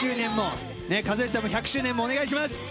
和義さんも１００周年もお願いします。